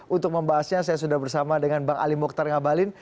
untuk membahasnya saya sudah bersama dengan bang ali mokhtar ngabalin